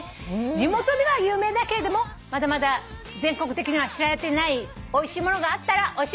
地元では有名だけれどもまだまだ全国的には知られてないおいしいものがあったら教えてください。